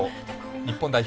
日本代表